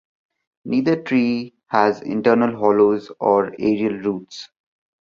Neither tree has internal hollows or aerial roots.